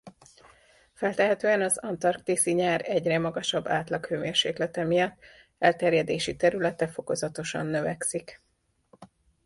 Feltehetően az antarktiszi nyár egyre magasabb átlaghőmérséklete miatt elterjedési területe fokozatosan növekszik.